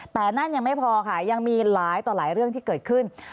แต่นั่นยังไม่พอค่ะยังมีหลายต่อหลายเรื่องที่เกิดขึ้น